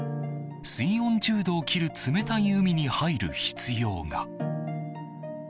水温１０度を切る冷たい海に入る必要が。